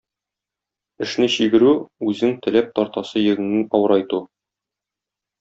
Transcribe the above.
Эшне чигерү – үзең теләп тартасы йөгеңне авырайту.